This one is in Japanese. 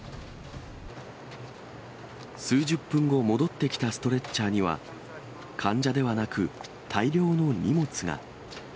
数十分後戻ってきたストレッチャーには、患者ではなく、大量の荷物が。